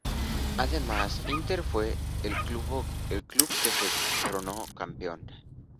Además Inter fue el club que se coronó campeón.